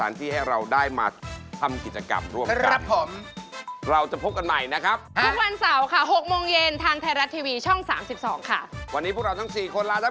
นี่ขอให้น้องชนะนะน้องจ่าย